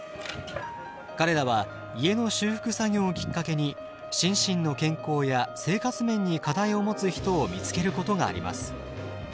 彼らは家の修復作業をきっかけに心身の健康や生活面に課題を持つ人を見つけることがあります。